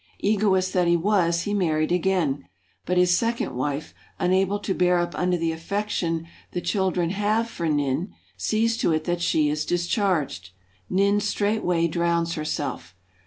Egoist that he was, he married again. But his second wife, unable to bear up under the affection the children have for N^ne, sees to it that she is dis charged. N^ne straightway drowns herself.